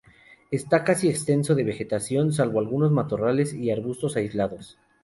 Está casi exento de vegetación salvo algunos matorrales y arbustos aislados.